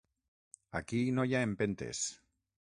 Aquí no hi ha empentes.